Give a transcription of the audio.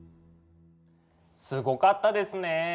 すごかったですね。